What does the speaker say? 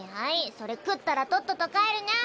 それ食ったらとっとと帰るニャ。